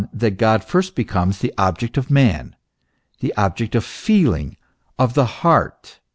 that God first becomes the object of man, the object of feeling, of the heart.